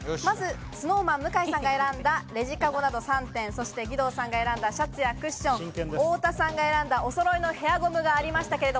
ＳｎｏｗＭａｎ・向井さんが選んだレジカゴなど３点、義堂さんが選んだシャツやクッション、太田さんが選んだおそろいのヘアゴムがありました。